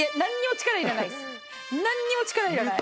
なんにも力いらない。